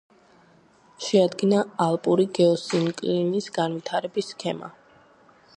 შეადგინა ალპური გეოსინკლინის განვითარების სქემა.